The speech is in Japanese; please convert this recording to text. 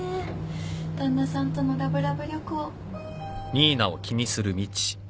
旦那さんとのラブラブ旅行。